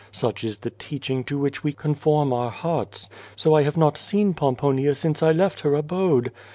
Such is the teaching to which we con form our hearts. So 1 have not seen Pomponia since I left her abode.